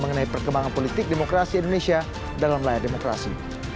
mengenai perkembangan politik demokrasi indonesia dalam layar demokrasi